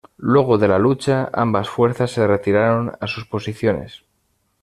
Luego de la lucha, ambas fuerzas se retiraron a sus posiciones.